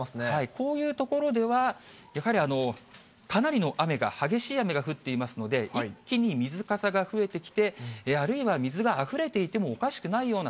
こういう所では、やはりかなりの雨が、激しい雨が降っていますので、一気に水かさが増えてきて、あるいは水があふれていてもおかしくないような、